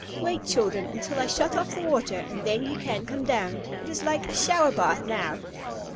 Wait, children, until I shut off the water, and then you can come down. It is like a shower bath now."